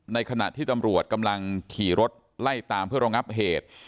ขณะที่ตำรวจกำลังขี่รถไล่ตามเพื่อรองับเหตุ